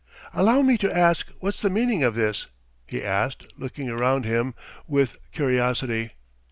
"Allow me to ask what's the meaning of this?" he asked, looking round him with curiosity.